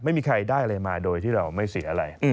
ไม่มีใครได้อะไรมาโดยที่เราไม่เสียอะไร